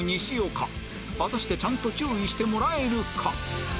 果たしてちゃんと注意してもらえるか？